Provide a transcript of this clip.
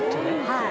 はい。